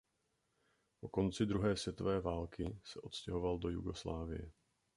Po konci druhé světové válka se odstěhoval do Jugoslávie.